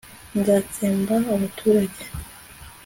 nzatsemba abaturage